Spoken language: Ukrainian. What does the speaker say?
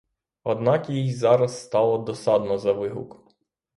Однак їй зараз стало досадно за вигук.